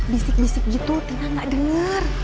bisik bisik gitu tina ga denger